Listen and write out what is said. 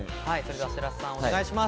では白洲さんお願いします。